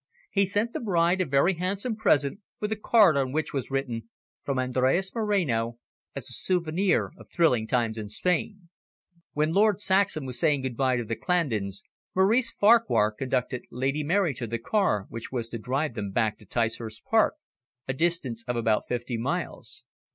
He sent the bride a very handsome present, with a card on which was written: "From Andres Moreno, as a souvenir of thrilling times in Spain." While Lord Saxham was saying good bye to the Clandons, Maurice Farquhar conducted Lady Mary to the car which was to drive them back to Ticehurst Park, a distance of about fifty miles.